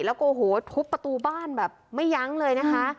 แล้วก็โอ้โหทุบประตูบ้านแบบไม่ยั้งเลยนะคะ